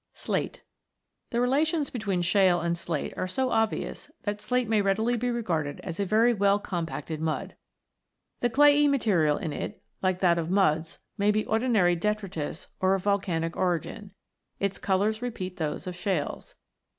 SLATE The relations between shale and Slate are so obvious that slate may readily be regarded as a very iv] CLAYS, SHALES, AND SLATES 89 well compacted mud. The clayey material in it, like that of muds, may be ordinary detritus or of volcanic origin ; its colours repeat those of shales.